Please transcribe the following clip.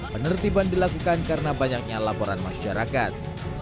penertiban dilakukan karena banyaknya laporan masyarakat